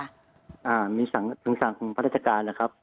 อ่ามีสั่งพักราชการนะครับ